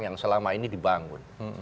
yang selama ini dibangun